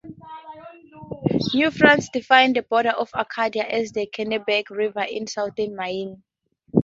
New France defined the border of Acadia as the Kennebec River in southern Maine.